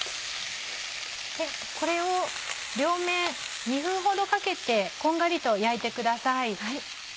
これを両面２分ほどかけてこんがりと焼いてください。